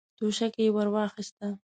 توشکه يې ور واخيسته.